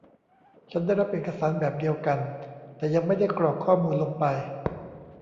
ฉันได้รับเอกสารแบบเดียวกัน แต่ยังไม่ได้กรอกข้อมูลลงไป